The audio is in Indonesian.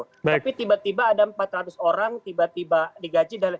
tapi tiba tiba ada empat ratus orang tiba tiba digaji